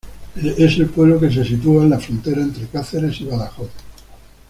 Es el pueblo que se sitúa en la frontera entre Cáceres y Badajoz.